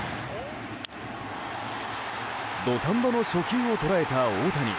土壇場の初球を捉えた大谷。